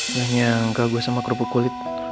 lalu dia nyangka gue sama kerupuk kulit